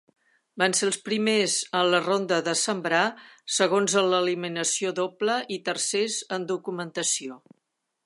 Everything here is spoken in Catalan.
Van ser els primers en la ronda de sembrar, segons en l'eliminació doble i tercers en documentació.